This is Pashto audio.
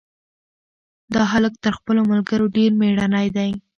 دا هلک تر خپلو ملګرو ډېر مېړنی دی.